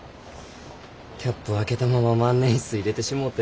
キャップ開けたまま万年筆入れてしもうて。